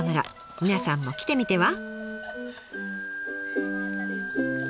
皆さんも来てみては？